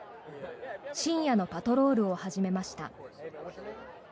深夜のパトロールを始めました。